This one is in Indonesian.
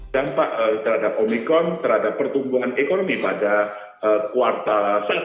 banesa akan mencoba untuk melakukan peluasan kerjasama grids antarmegara di kawasan